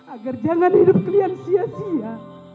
agar jangan hidup kalian sia sia